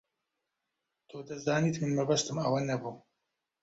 تۆ دەزانیت من مەبەستم ئەوە نەبوو.